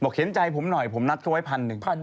เห็นใจผมหน่อยผมนัดเขาไว้พันหนึ่ง